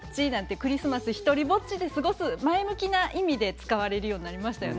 クリスマスを独りぼっちで過ごす前向きな意味で使われていましたよね。